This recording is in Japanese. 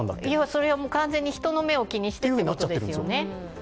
それは完全に人の目を気にしてということですよね。